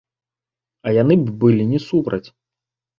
А яны б былі не супраць.